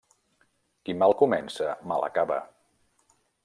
Qui mal comença, mal acaba.